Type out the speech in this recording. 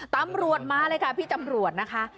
ตำรวจมาเลยค่ะพี่ตำรวจนะคะ